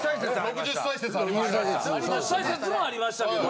６０歳説もありましたけど。